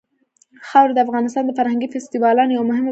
خاوره د افغانستان د فرهنګي فستیوالونو یوه مهمه برخه ده.